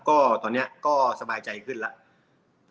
ก็ตอนนี้ก็สบายใจขึ้นแล้ว